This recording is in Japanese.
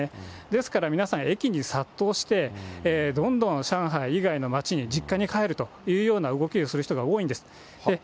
ですから皆さん、駅に殺到して、どんどん上海以外の街に、実家に帰るという動きをする人が多いんです。